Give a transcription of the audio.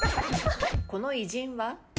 この偉人は？